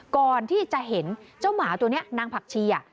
ก่อนที่จะเห็นเจ้าหมาตัวนี้นางผักชี